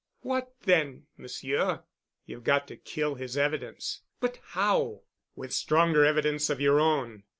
"What then, Monsieur?" "You've got to kill his evidence." "But how?" "With stronger evidence of your own.